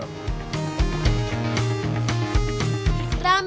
เป็นสุขภาพอย่างเดียวเลย